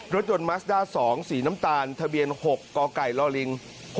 รถยนต์มัสด้า๒สีน้ำตาลทะเบียน๖กไก่ลิง